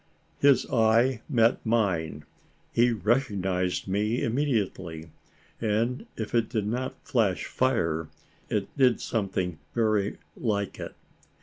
His eye met mine he recognised me immediately and, if it did not flash fire, it did something very like it.